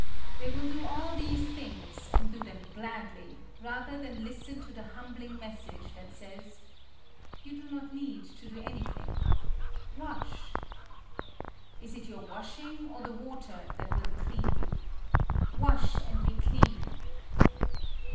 They will do all these things and do them gladly, rather than listen to the humbling message that says, "You do not need to do anything wash." Is it your washing, or the water, that will clean you? Wash and be clean!